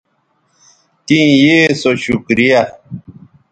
تیں یے سو شکریہ